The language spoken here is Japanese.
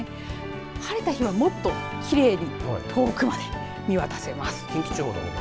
晴れた日はもっと奇麗に遠くまで見渡せます。